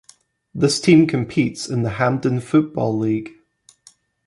This team competes in the Hampden Football League.